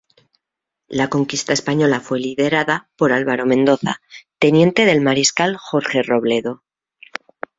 La conquista española fue liderada por Álvaro de Mendoza, teniente del Mariscal Jorge Robledo.